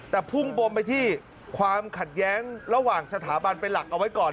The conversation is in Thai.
แต่พุ่งปมไปที่ความขัดแย้งระหว่างสถาบันเป็นหลักเอาไว้ก่อน